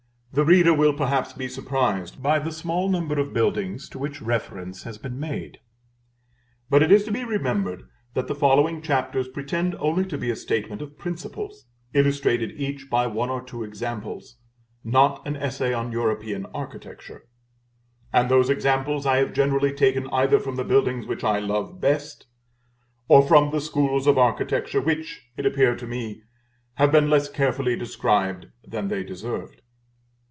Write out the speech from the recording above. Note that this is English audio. The reader will perhaps be surprised by the small number of buildings to which reference has been made. But it is to be remembered that the following chapters pretend only to be a statement of principles, illustrated each by one or two examples, not an essay on European architecture; and those examples I have generally taken either from the buildings which I love best, or from the schools of architecture which, it appeared to me, have been less carefully described than they deserved.